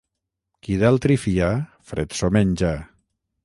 Qui d'altri fia, fred s'ho menja.